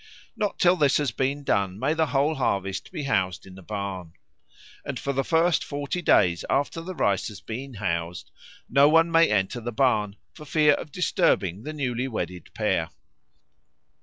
Not till this has been done may the whole harvest be housed in the barn. And for the first forty days after the rice has been housed, no one may enter the barn, for fear of disturbing the newly wedded pair.